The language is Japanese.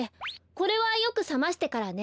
これはよくさましてからね。